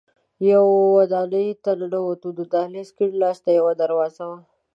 یوه ودانۍ ته ننوتو، د دهلېز کیڼ لاس ته یوه دروازه وه.